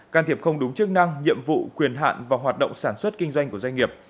can thiệp không đúng chức năng nhiệm vụ quyền hạn và hoạt động sản xuất kinh doanh của doanh nghiệp